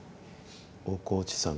大河内さん